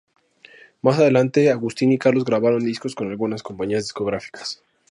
Más adelante Agustín y Carlos grabaron discos con algunas compañías discográficas.